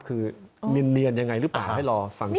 คือเนียนอย่างไรหรือเปล่าให้รอฟังเถอะ